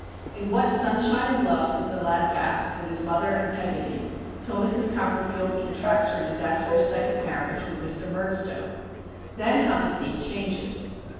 In what sunshine of love does the lad bask with his mother and Peggotty, till Mrs. Copperfield contracts her disastrous second marriage with Mr. Murdstone! Then how the scene changes.